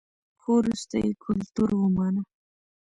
خو وروسته یې کلتور ومانه